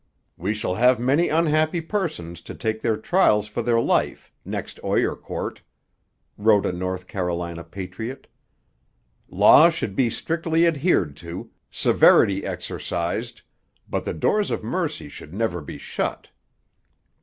'We shall have many unhappy persons to take their trials for their life next Oyer court,' wrote a North Carolina patriot. 'Law should be strictly adhered to, severity exercised, but the doors of mercy should never be shut.'